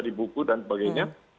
di buku dan sebagainya